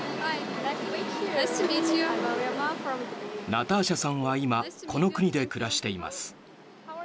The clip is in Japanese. ナターシャさんは今、この国で暮らしています。